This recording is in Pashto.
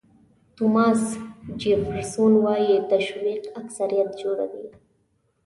توماس جیفرسون وایي تشویق اکثریت جوړوي.